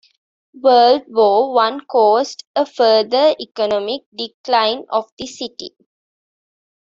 World War One caused a further economic decline of the city.